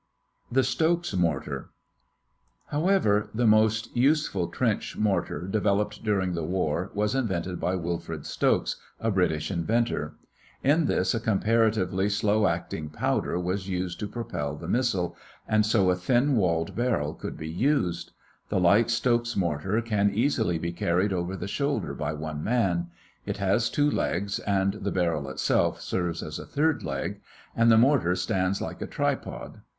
THE STOKES MORTAR However, the most useful trench mortar developed during the war was invented by Wilfred Stokes, a British inventor. In this a comparatively slow acting powder was used to propel the missile, and so a thin walled barrel could be used. The light Stokes mortar can easily be carried over the shoulder by one man. It has two legs and the barrel itself serves as a third leg, and the mortar stands like a tripod.